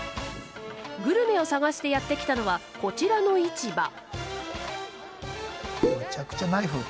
グルメを探してやって来たのはこちらの市場。